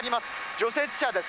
除雪車です。